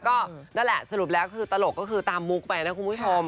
ก็นั่นแหละสรุปแล้วคือตลกก็คือตามมุกไปนะคุณผู้ชม